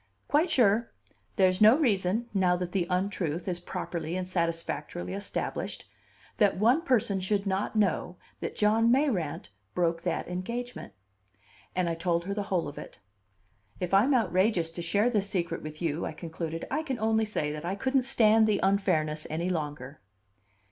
"Quite sure. There's no reason now that the untruth is properly and satisfactorily established that one person should not know that John Mayrant broke that engagement." And I told her the whole of it. "If I'm outrageous to share this secret with you," I concluded, "I can only say that I couldn't stand the unfairness any longer."